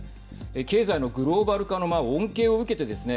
経済のグローバル化の恩恵を受けてですね